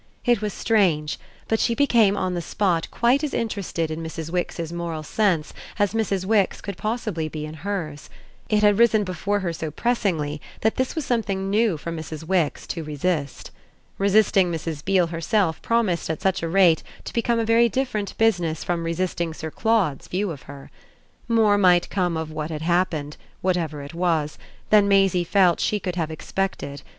It was strange, but she became on the spot quite as interested in Mrs. Wix's moral sense as Mrs. Wix could possibly be in hers: it had risen before her so pressingly that this was something new for Mrs. Wix to resist. Resisting Mrs. Beale herself promised at such a rate to become a very different business from resisting Sir Claude's view of her. More might come of what had happened whatever it was than Maisie felt she could have expected.